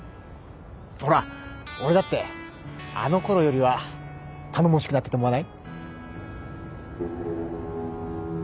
ほら俺だってあのころよりは頼もしくなったと思わない？